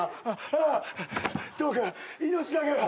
あっどうか命だけは。